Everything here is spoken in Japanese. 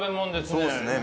そうですね